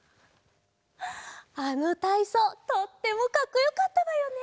あのたいそうとってもかっこよかったのよね！